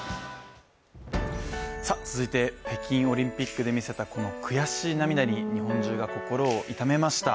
続いて、北京オリンピックで見せたこの悔し涙に日本中が心を痛めました。